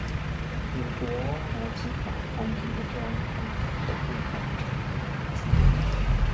如果我只求看見一張幸福的臉